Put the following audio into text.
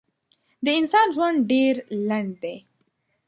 د انسان ژوند ډېر لنډ دی.